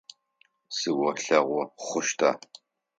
Сыолъэӏу хъущта?